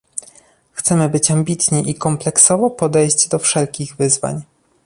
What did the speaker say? Chcemy być ambitni i kompleksowo podejść do wszelkich wyzwań